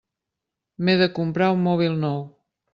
M'he de comprar un mòbil nou.